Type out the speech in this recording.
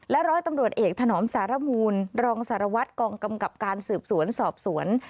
ร้อยตำรวจเอกถนอมสารมูลรองสารวัตรกองกำกับการสืบสวนสอบสวน